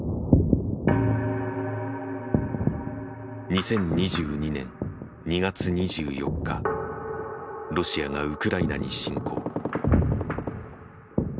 ２０２２年２月２４日ロシアがウクライナに侵攻。